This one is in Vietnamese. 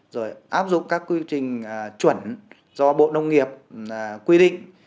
rồi áp dụng các quy trình chuẩn do bộ nông nghiệp quy định